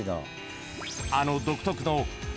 ［あの独特の］